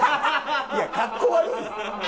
いやかっこ悪いよ。